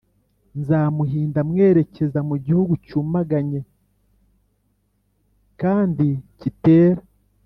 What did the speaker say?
nzamuhinda mwerekeza mu gihugu cyumaganye kandi kitera.